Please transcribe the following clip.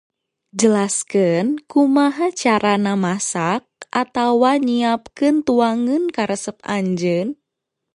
Jelaskeun kumaha carana masak atawa nyiapkeun tuangan karesep anjeun